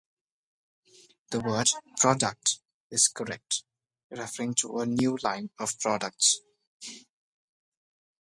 The word "product" is correct, referring to a new line of products.